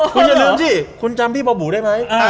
คุณอย่าลืมสิคุณจำพี่บอบูได้ไหม